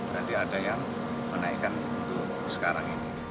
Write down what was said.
nanti ada yang menaikkan untuk sekarang ini